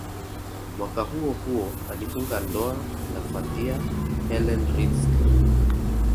Mwaka huohuo alifunga ndoa na Fathia Helen Ritzk